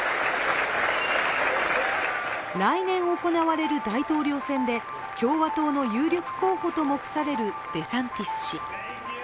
来年行われる大統領選で共和党の有力候補と目されるデサンティス氏。